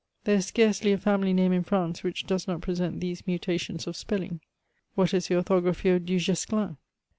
There is scarcely a family name in France which does not present these mutations of spelling. What is the orthography of du Guesclin